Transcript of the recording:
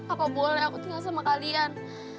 aku boleh aku tinggal sama kalian